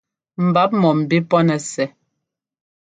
Mbǎp mɔ̂mbí pɔ́ nɛ́ sɛ́.